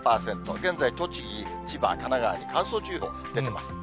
現在、栃木、千葉、神奈川に乾燥注意報が出ています。